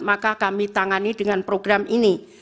maka kami tangani dengan program ini